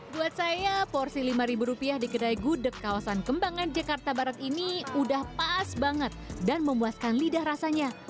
buat saya porsi lima rupiah di kedai gudeg kawasan kembangan jakarta barat ini udah pas banget dan memuaskan lidah rasanya